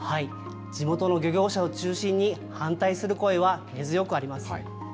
地元の漁業者を中心に反対する声は根強くあります。